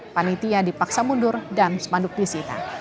panitia dipaksa mundur dan sepanduk disita